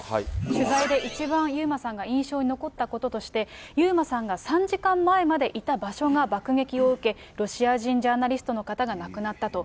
取材で一番遊馬さんが印象に残ったこととして、遊馬さんが３時間前までいた場所が爆撃を受け、ロシア人ジャーナリストの方が亡くなったと。